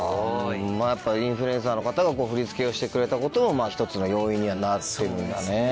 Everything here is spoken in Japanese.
やっぱインフルエンサーの方が振り付けをしてくれたことも１つの要因にはなってるんだね。